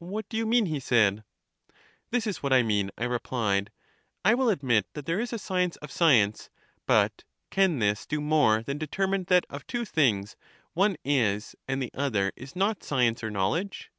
What do you mean? he said. This is what I mean, I replied: I will admit that there is a science of science, but can this do more than determine that of two things one is and the other is not science or knowledge?